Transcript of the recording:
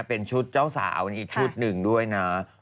เป็นชุดเจ้าสาวอีกชุดหนึ่งด้วยนะ